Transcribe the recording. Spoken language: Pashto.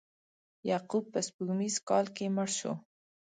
یعقوب په سپوږمیز کال کې مړ شو.